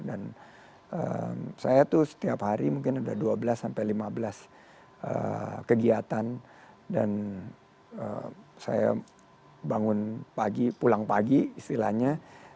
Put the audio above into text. dan saya tuh setiap hari mungkin ada dua belas lima belas kegiatan dan saya bangun pagi pulang pagi istilahnya